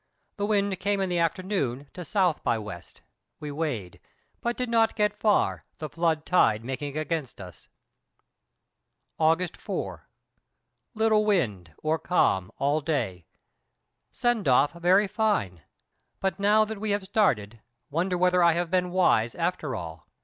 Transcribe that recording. The wind came in the afternoon to S. by W.; we weighed, but did not get far, the flood tide making against us. August 4. Little wind, or calm, all day. Send off very fine; but now that we have started wonder whether I have been wise after all.